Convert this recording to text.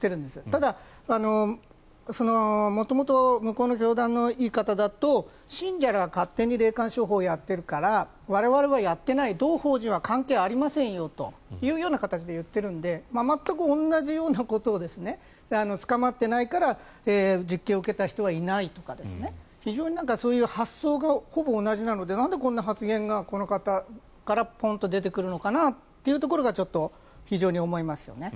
ただ、元々向こうの言い方だと信者が勝手に霊感商法をやっているから我々はやっていない同法人は関係ありませんよという形で言っているので全く同じようなことを捕まっていないから実刑を受けた人はいないとか非常にそういう発想がほぼ同じなのでなんでこんな発言がこの方からポンと出てくるのかなというところがちょっと非常に思いますよね。